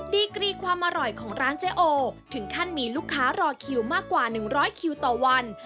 ดีกรีความอร่อยของร้านเจ๊โอถึงขั้นมีลูกค้ารอคิวมากกว่า๑๐๐คิวต่อวัน